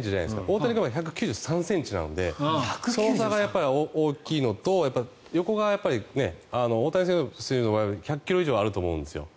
大谷君は１９３ｃｍなので大きいのと横が大谷選手の場合は１００ｋｇ以上あると思うんですよ。